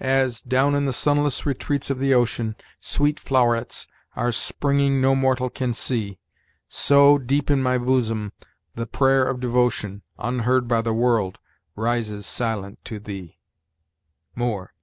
"As, down in the sunless retreats of the ocean, Sweet flow'rets are springing no mortal can see; So, deep in my bosom, the prayer of devotion, Unheard by the world, rises silent to thee." Moore.